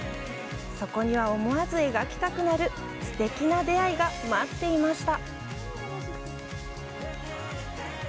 そこには、思わず描きたくなるすてきな出会いが待っていました。